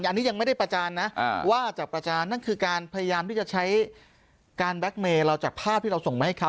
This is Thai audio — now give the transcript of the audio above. อันนี้ยังไม่ได้ประจานนะว่าจากประจานนั่นคือการพยายามที่จะใช้การแบล็คเมย์เราจากภาพที่เราส่งมาให้เขา